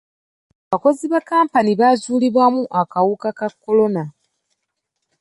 Abakozi ba kkampuni baazuulibwamu akawuka ka kolona.